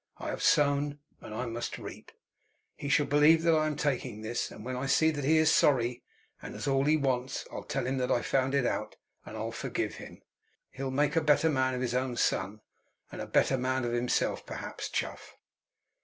I have sown, and I must reap. He shall believe that I am taking this; and when I see that he is sorry, and has all he wants, I'll tell him that I found it out, and I'll forgive him. He'll make a better man of his own son, and be a better man himself, perhaps, Chuff!"